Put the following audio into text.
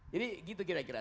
jadi gitu kira kira